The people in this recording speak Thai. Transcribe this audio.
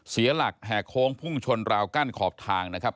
เสียหลักแห่โค้งพุ่งชนราวกั้นขอบทางนะครับ